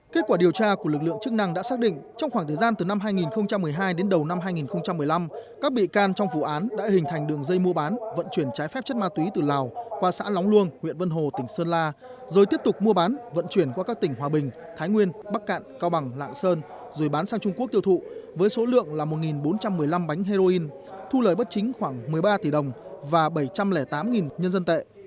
kết quả điều tra của lực lượng chức năng đã xác định trong khoảng thời gian từ năm hai nghìn một mươi hai đến đầu năm hai nghìn một mươi năm các bị can trong vụ án đã hình thành đường dây mua bán vận chuyển trái phép chất ma túy từ lào qua xã lóng luông huyện vân hồ tỉnh sơn la rồi tiếp tục mua bán vận chuyển qua các tỉnh hòa bình thái nguyên bắc cạn cao bằng lạng sơn rồi bán sang trung quốc tiêu thụ với số lượng là một bốn trăm một mươi năm bánh heroin thu lời bất chính khoảng một mươi ba tỷ đồng và bảy trăm linh tám nhân dân tệ